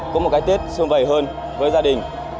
có một cái tết xuân vầy hơn với gia đình